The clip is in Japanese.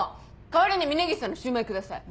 代わりに峰岸さんのシューマイください。